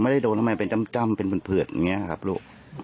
ไม่ได้โดนทำไมเป็นจำเป็นผื่นอย่างนี้ครับลูก